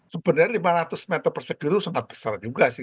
sebenarnya lima ratus meter persegi itu sempat besar juga sih